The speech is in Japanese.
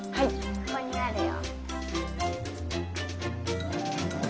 ここにあるよ。